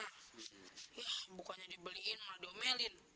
ya bukannya dibeliin malah diomelin